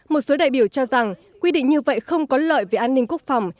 một số đại biểu cho rằng quy định như vậy không có lợi về an ninh quốc phòng